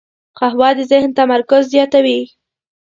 قهوه د ذهن تمرکز زیاتوي